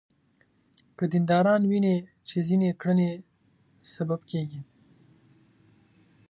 که دینداران ویني چې ځینې کړنې سبب کېږي.